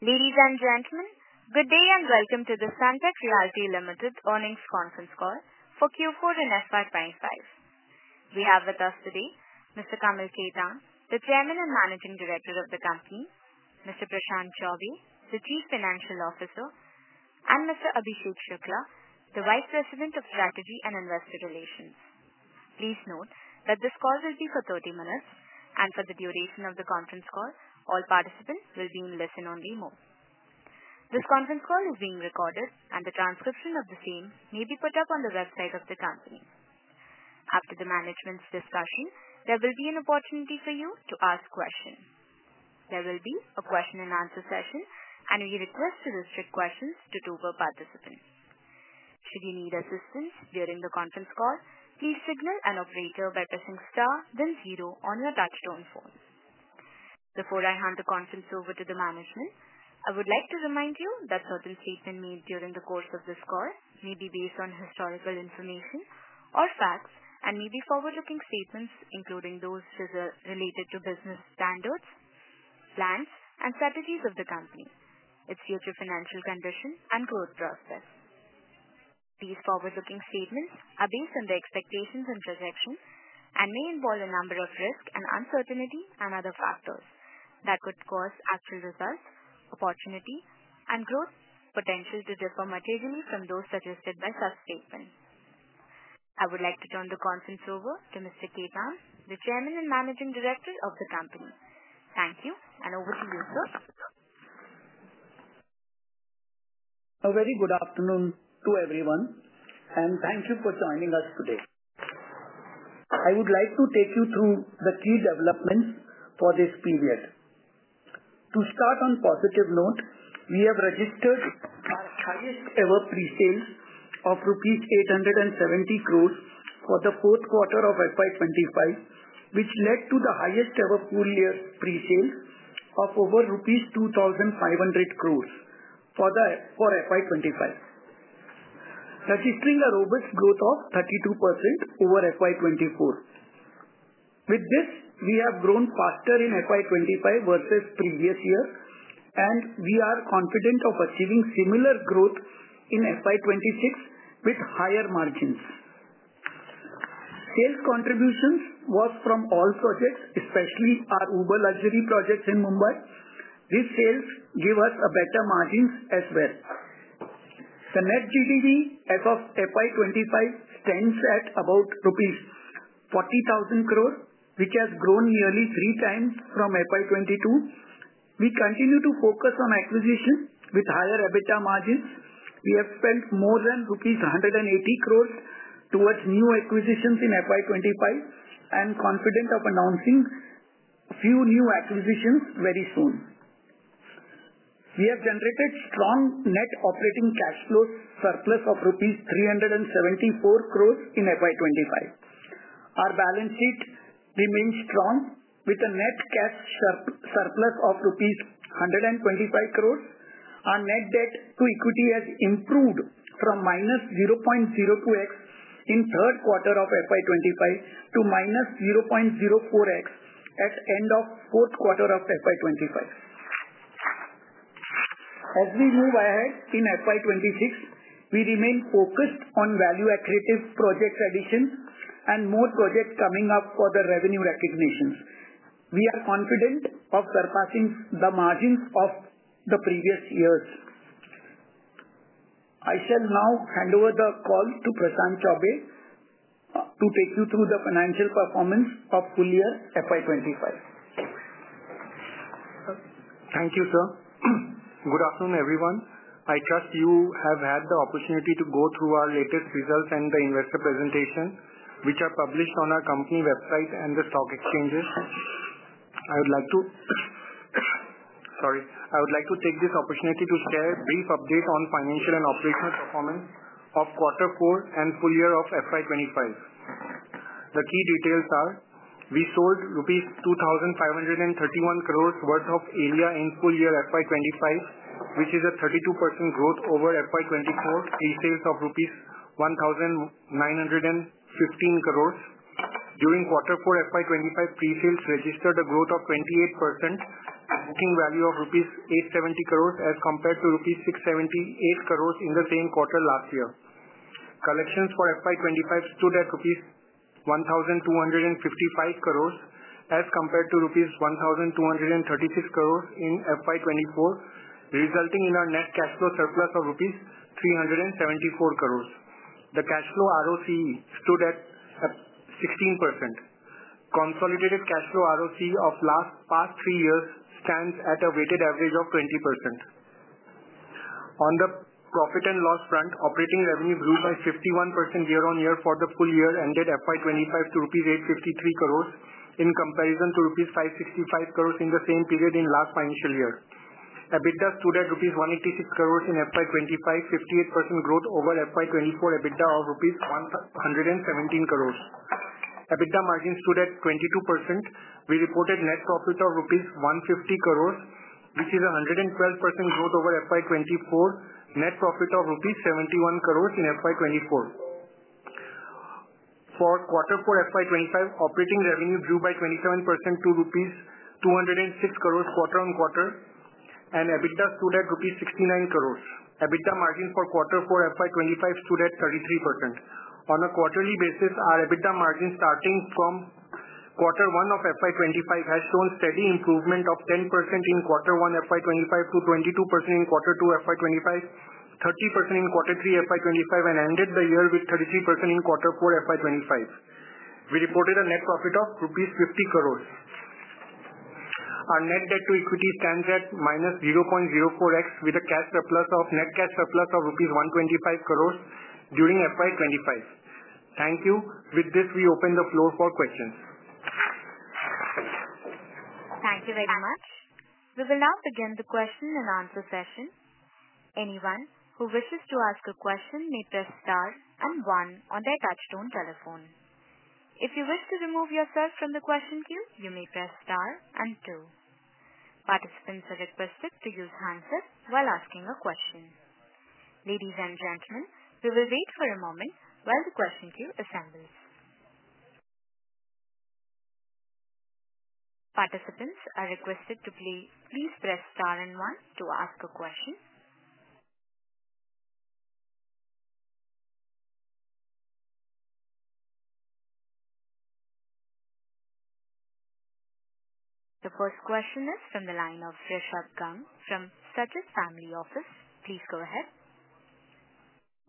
Ladies and gentlemen, good day and welcome to the Sunteck Realty Limited earnings conference call for Q4 and FY2025. We have with us today Mr. Kamal Khetan, the Chairman and Managing Director of the company, Mr. Prashant Chaubey, the Chief Financial Officer, and Mr. Abhishek Shukla, the Vice President of Strategy and Investor Relations. Please note that this call will be for 30 minutes, and for the duration of the conference call, all participants will be in listen-only mode. This conference call is being recorded, and the transcription of the same may be put up on the website of the company. After the management's discussion, there will be an opportunity for you to ask questions. There will be a question-and-answer session, and we request to restrict questions to two participants. Should you need assistance during the conference call, please signal an operator by pressing star, then zero on your touch-tone phone. Before I hand the conference over to the management, I would like to remind you that certain statements made during the course of this call may be based on historical information or facts and may be forward-looking statements, including those related to business standards, plans, and strategies of the company, its future financial condition, and growth prospects. These forward-looking statements are based on the expectations and projections and may involve a number of risks and uncertainties and other factors that could cause actual results, opportunity, and growth potential to differ materially from those suggested by such statements. I would like to turn the conference over to Mr. Khetan, the Chairman and Managing Director of the company. Thank you, and over to you, sir. A very good afternoon to everyone, and thank you for joining us today. I would like to take you through the key developments for this period. To start on a positive note, we have registered our highest-ever presale of rupees 870 crore for the fourth quarter of 2025, which led to the highest-ever full-year presale of over rupees 2,500 crore for 2025, registering a robust growth of 32% over 2024. With this, we have grown faster in 2025 versus the previous year, and we are confident of achieving similar growth in 2026 with higher margins. Sales contributions were from all projects, especially our Uber Luxury projects in Mumbai. These sales give us better margins as well. The net GDV as of 2025 stands at about rupees 40,000 crore, which has grown nearly three times from 2022. We continue to focus on acquisitions with higher EBITDA margins. We have spent more than rupees 180 crore towards new acquisitions in FY 2025 and are confident of announcing a few new acquisitions very soon. We have generated strong net operating cash flow surplus of rupees 374 crore in FY 2025. Our balance sheet remains strong with a net cash surplus of rupees 125 crore. Our net debt to equity has improved from -0.02x in the third quarter of FY 2025 to -0.04x at the end of the fourth quarter of FY 2025. As we move ahead in FY 2026, we remain focused on value-accretive project additions and more projects coming up for the revenue recognitions. We are confident of surpassing the margins of the previous years. I shall now hand over the call to Prashant Chaubey to take you through the financial performance of full-year FY 2025. Thank you, sir. Good afternoon, everyone. I trust you have had the opportunity to go through our latest results and the investor presentations, which are published on our company website and the stock exchanges. I would like to take this opportunity to share a brief update on financial and operational performance of Q4 and full-year of 2025. The key details are: we sold rupees 2,531 crore worth of area in full-year 2025, which is a 32% growth over 2024. Presales of INR 1,915 crore. During Q4, 2025 presales registered a growth of 28%, booking value of rupees 870 crore as compared to rupees 678 crore in the same quarter last year. Collections for 2025 stood at rupees 1,255 crore as compared to rupees 1,236 crore in 2024, resulting in our net cash flow surplus of rupees 374 crore. The cash flow ROCE stood at 16%. Consolidated cash flow ROCE of the last three years stands at a weighted average of 20%. On the profit and loss front, operating revenue grew by 51% year-on-year for the full year ended 2025 to 853 crore rupees in comparison to 565 crore rupees in the same period in the last financial year. EBITDA stood at 186 crore rupees in 2025, 58% growth over 2024 EBITDA of 117 crore rupees. EBITDA margin stood at 22%. We reported net profit of 150 crore rupees, which is a 112% growth over 2024, net profit of 71 crore rupees in 2024. For Q4, 2025, operating revenue grew by 27% to rupees 206 crore quarter-on-quarter, and EBITDA stood at rupees 69 crore. EBITDA margin for Q4, 2025 stood at 33%. On a quarterly basis, our EBITDA margin starting from Q1 of FY2025 has shown steady improvement of 10% in Q1 FY2025 to 22% in Q2 FY2025, 30% in Q3 FY2025, and ended the year with 33% in Q4 FY2025. We reported a net profit of rupees 50 crore. Our net debt to equity stands at -0.04x with a net cash surplus of rupees 125 crore during FY2025. Thank you. With this, we open the floor for questions. Thank you very much. We will now begin the question-and-answer session. Anyone who wishes to ask a question may press star and one on their touch-tone telephone. If you wish to remove yourself from the question queue, you may press star and two. Participants are requested to use hands up while asking a question. Ladies and gentlemen, we will wait for a moment while the question queue assembles. Participants are requested to please press star and one to ask a question. The first question is from the line of Rishabh Garg from Sajjan Family Office. Please go ahead.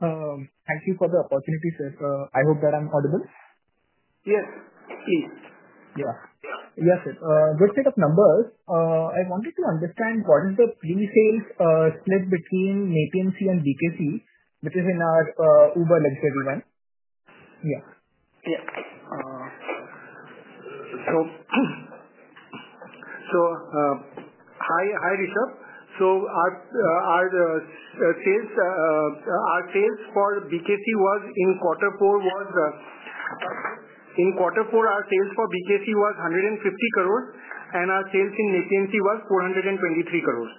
Thank you for the opportunity, sir. I hope that I'm audible. Yes, please. Yeah. Yes, sir. Just a set of numbers. I wanted to understand what is the presales split between Napean Sea and BKC, which is in our Uber luxury one. Yeah. Yeah. Hi, Rishabh. Our sales for BKC in Q4 was 150 crore, and our sales in Nepean Sea was 423 crore.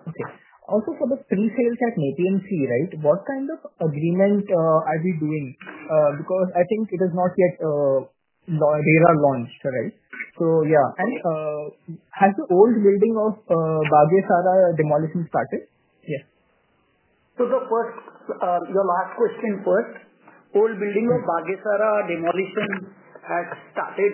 Okay. Also, for the presales at Nepean Sea, right, what kind of agreement are we doing? I think it is not yet data launched, right? Yeah. Has the old building of Baug-E-Sara demolition started? Yes. Your last question first. Old building of Baug-E-Sara demolition has started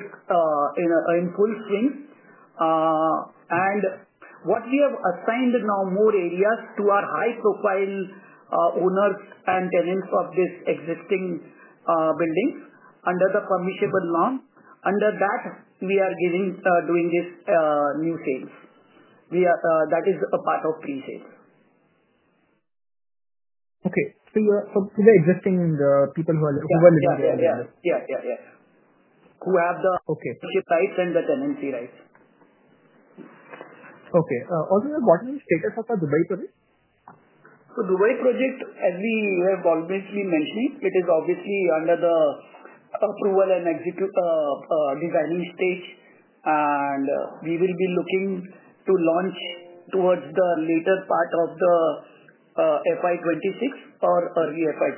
in full swing. What we have assigned now, more areas to our high-profile owners and tenants of this existing building under the permissible loan. Under that, we are doing these new sales. That is a part of presales. Okay. The existing people who are living there? Yeah, yeah. Who have. Okay. Rights and the tenancy rights. Okay. Also, what is the status of the Dubai project? Dubai project, as we have always been mentioning, it is obviously under the approval and designing stage, and we will be looking to launch towards the later part of the FY 2026 or early FY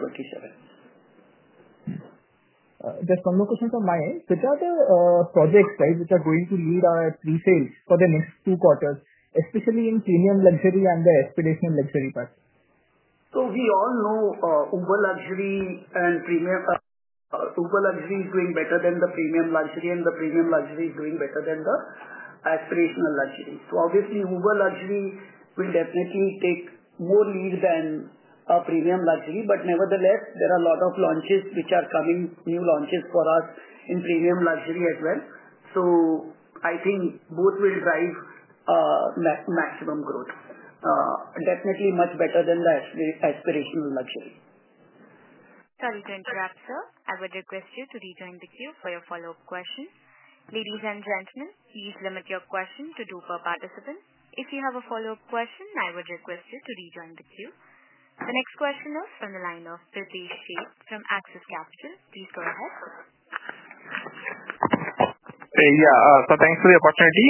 2027. Just one more question from my end. Which are the projects, right, which are going to lead our presales for the next two quarters, especially in premium luxury and the aspirational luxury part? We all know Uber luxury and Uber luxury is doing better than the premium luxury, and the premium luxury is doing better than the aspirational luxury. Obviously, Uber luxury will definitely take more lead than premium luxury, but nevertheless, there are a lot of launches which are coming, new launches for us in premium luxury as well. I think both will drive maximum growth, definitely much better than the aspirational luxury. Sorry to interrupt, sir. I would request you to rejoin the queue for your follow-up question. Ladies and gentlemen, please limit your question to two per participant. If you have a follow-up question, I would request you to rejoin the queue. The next question is from the line of Pritesh Sheth from Axis Capital. Please go ahead. Yeah. Thanks for the opportunity.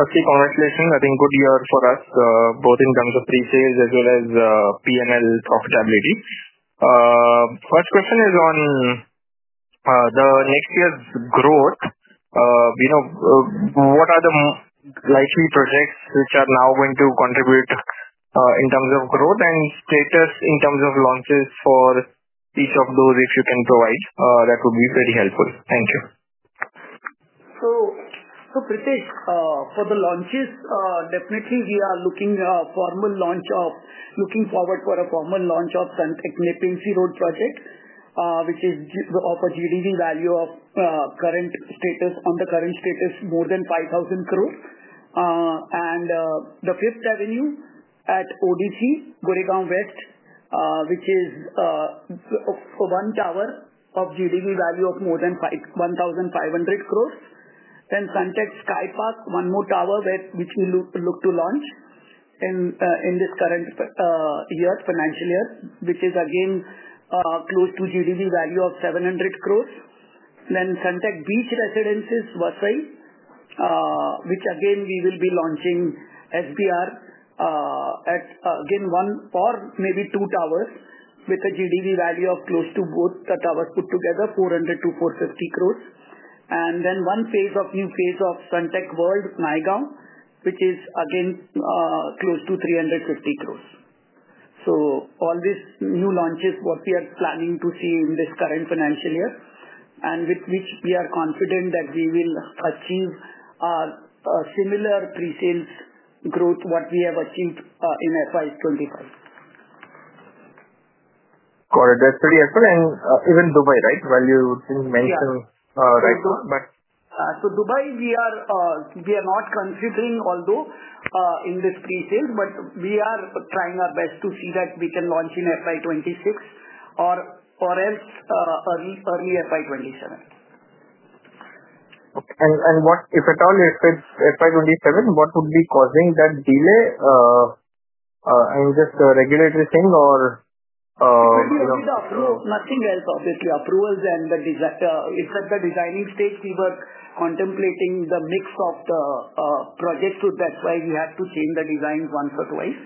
Firstly, congratulations. I think good year for us, both in terms of presales as well as P&L profitability. First question is on the next year's growth. What are the likely projects which are now going to contribute in terms of growth and status in terms of launches for each of those? If you can provide, that would be very helpful. Thank you. Pritesh, for the launches, definitely we are looking forward for a formal launch of Sunteck Nepean Sea Road Project, which is of a GDV value on the current status of more than 5,000 crore. The Fifth Avenue at ODC Goregaon West, which is one tower of GDV value of more than 1,500 crore. Sunteck Sky Park, one more tower which we look to launch in this current financial year, which is again close to GDV value of 700 crore. Sunteck Beach Residences Vasai, which again we will be launching, SBR at again one or maybe two towers with a GDV value of close to both the towers put together, 400-450 crore. One phase of new phase of Sunteck World Naigaon, which is again close to 350 crore. All these new launches what we are planning to see in this current financial year and with which we are confident that we will achieve a similar presales growth what we have achieved in FY2025. Got it. That's pretty excellent. Even Dubai, right, while you mentioned right now, but. Dubai, we are not considering, although in this presales, but we are trying our best to see that we can launch in FY 2026 or else early FY 2027. If at all, if it's FY 2027, what would be causing that delay? I mean, just a regulatory thing or. Nothing else, obviously. Approvals and it's at the designing stage. We were contemplating the mix of the projects, so that's why we had to change the designs once or twice.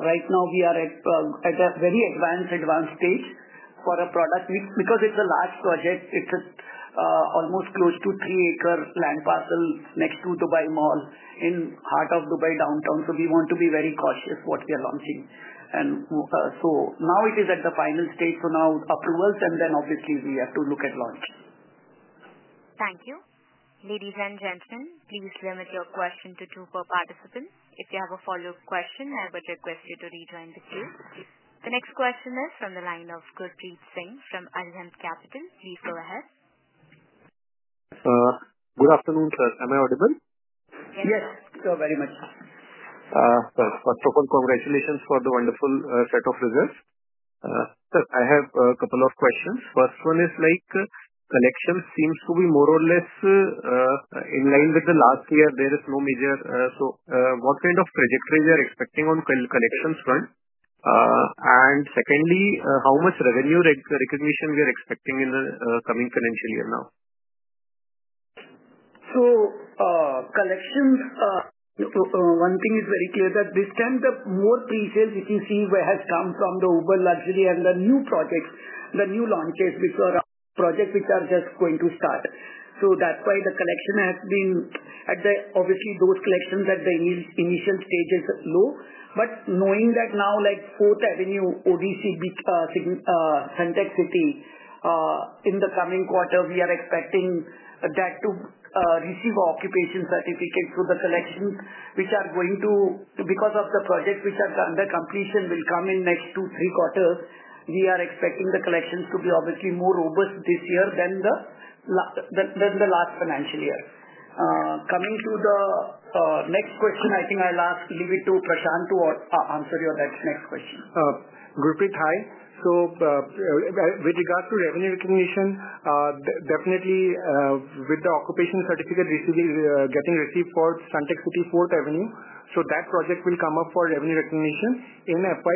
Right now, we are at a very advanced, advanced stage for a product because it's a large project. It's almost close to three-acre land parcel next to Dubai Mall in the heart of Downtown Dubai. We want to be very cautious what we are launching. It is at the final stage. Now approvals, and then obviously we have to look at launch. Thank you. Ladies and gentlemen, please limit your question to two per participant. If you have a follow-up question, I would request you to rejoin the queue. The next question is from the line of Gurpreet Singh from Arihant Capital. Please go ahead. Good afternoon, sir. Am I audible? Yes. Yes. Thank you very much. First of all, congratulations for the wonderful set of results. Sir, I have a couple of questions. First one is like collection seems to be more or less in line with the last year. There is no major. What kind of trajectory are we expecting on collections front? Secondly, how much revenue recognition are we expecting in the coming financial year now? Collections, one thing is very clear that this time, the more presales which you see has come from the Uber luxury and the new projects, the new launches, which are projects which are just going to start. That is why the collection has been at the obviously those collections at the initial stage is low. Knowing that now like Fourth Avenue, ODC, Sunteck City, in the coming quarter, we are expecting that to receive occupation certificates. The collections which are going to because of the projects which are under completion will come in next two-three quarters, we are expecting the collections to be obviously more robust this year than the last financial year. Coming to the next question, I think I'll leave it to Prashant to answer your next question. Gurpreet, hi. With regards to revenue recognition, definitely with the occupation certificate getting received for Sunteck City, Fourth Avenue, that project will come up for revenue recognition in FY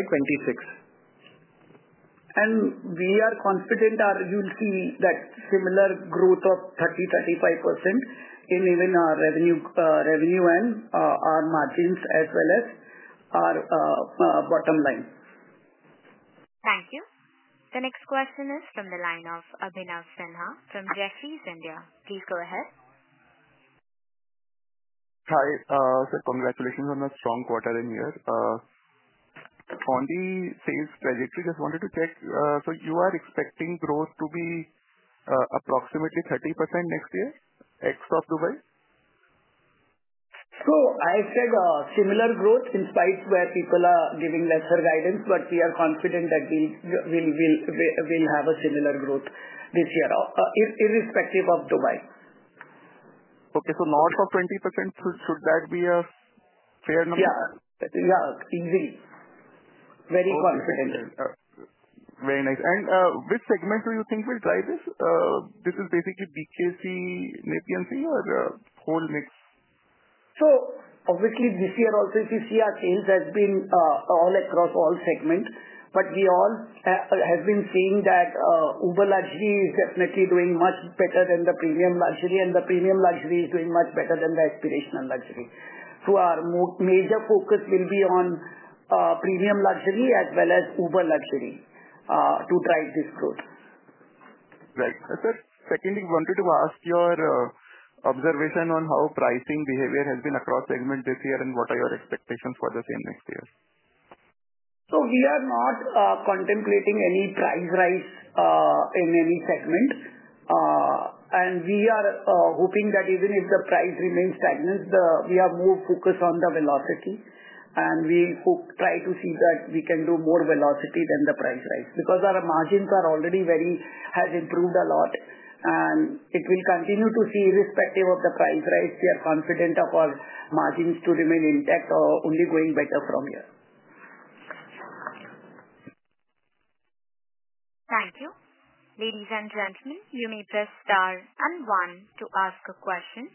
2026. We are confident you'll see that similar growth of 30%-35% in even our revenue and our margins as well as our bottom line. Thank you. The next question is from the line of Abhinav Sinha from Jefferies India. Please go ahead. Hi. Congratulations on the strong quarter in here. On the sales trajectory, just wanted to check. You are expecting growth to be approximately 30% next year except Dubai? I said similar growth in spites where people are giving lesser guidance, but we are confident that we will have a similar growth this year irrespective of Dubai. Okay. North of 20%, should that be a fair number? Yeah. Yeah. Easy. Very confident. Very nice. Which segment do you think will drive this? This is basically BKC, Nepean Sea Road or whole mix? Obviously this year also if you see our sales has been all across all segment, but we all have been seeing that Uber luxury is definitely doing much better than the premium luxury, and the premium luxury is doing much better than the aspirational luxury. Our major focus will be on premium luxury as well as Uber luxury to drive this growth. Right. Sir, secondly, wanted to ask your observation on how pricing behavior has been across segment this year and what are your expectations for the same next year? We are not contemplating any price rise in any segment. We are hoping that even if the price remains stagnant, we are more focused on the velocity. We try to see that we can do more velocity than the price rise because our margins already have improved a lot. It will continue to see irrespective of the price rise, we are confident of our margins to remain intact or only going better from here. Thank you. Ladies and gentlemen, you may press star and one to ask a question.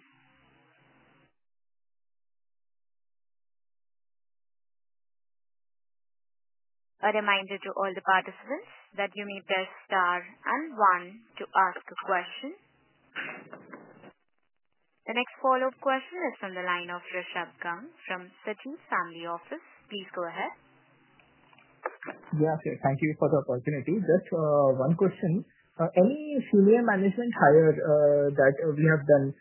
A reminder to all the participants that you may press star and one to ask a question. The next follow-up question is from the line of Rishabh Garg from Sajjan Family Office. Please go ahead. Yeah, sir. Thank you for the opportunity. Just one question. Any senior management hire that we have done,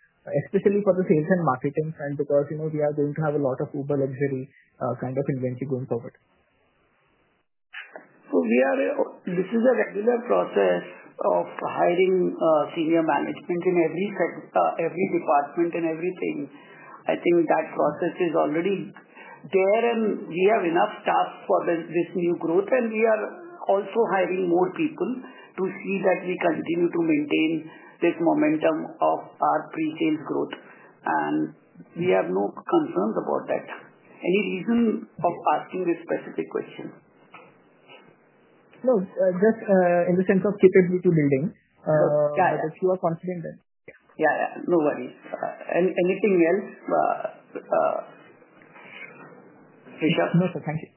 especially for the sales and marketing front, because we are going to have a lot of Uber luxury kind of inventory going forward? This is a regular process of hiring senior management in every department and everything. I think that process is already there, and we have enough staff for this new growth. We are also hiring more people to see that we continue to maintain this momentum of our presales growth. We have no concerns about that. Any reason of asking this specific question? No, just in the sense of capability building. Yeah. If you are confident that. Yeah, yeah. No worries. Anything else? Rishabh? No, sir. Thank you.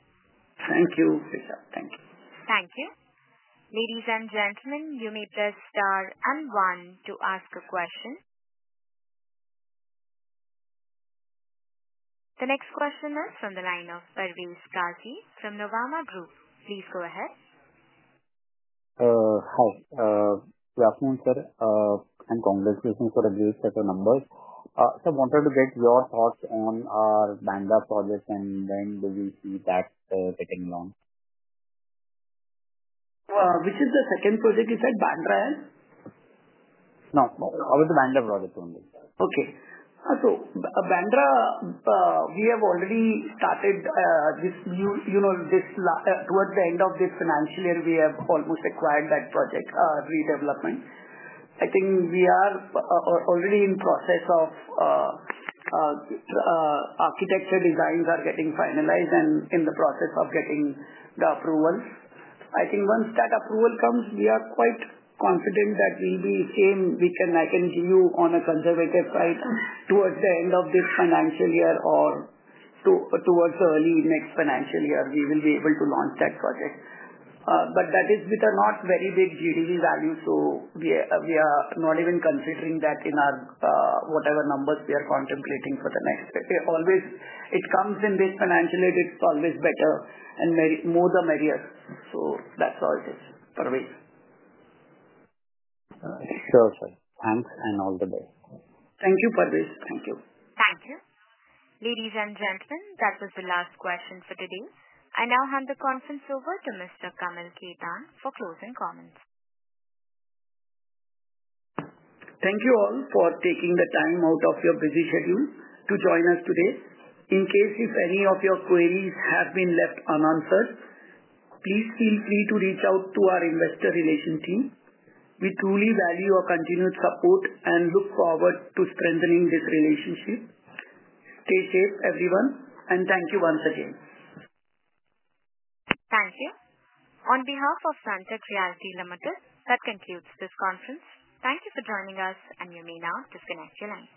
Thank you, Rishabh. Thank you. Thank you. Ladies and gentlemen, you may press star and one to ask a question. The next question is from the line of Parvez Qazi from Nuvama Group. Please go ahead. Hi, Kamal sir, and congratulations for a great set of numbers. I wanted to get your thoughts on our Bandra project and when will we see that getting launched? Which is the second project you said? Bandra and? No. It was the Bandra project only. Okay. Bandra, we have already started this towards the end of this financial year, we have almost acquired that project redevelopment. I think we are already in process of architecture designs are getting finalized and in the process of getting the approvals. I think once that approval comes, we are quite confident that we'll be the same. I can give you on a conservative side towards the end of this financial year or towards the early next financial year, we will be able to launch that project. That is with a not very big GDV value, so we are not even considering that in whatever numbers we are contemplating for the next. If it comes in this financial year, it's always better and more the merrier. That is all it is, Parvez. Sure, sir. Thanks and all the best. Thank you, Parvez. Thank you. Thank you. Ladies and gentlemen, that was the last question for today. I now hand the conference over to Mr. Kamal Khetan for closing comments. Thank you all for taking the time out of your busy schedule to join us today. In case if any of your queries have been left unanswered, please feel free to reach out to our investor relation team. We truly value your continued support and look forward to strengthening this relationship. Stay safe, everyone, and thank you once again. Thank you. On behalf of Sunteck Realty Limited, that concludes this conference. Thank you for joining us, and you may now disconnect your line.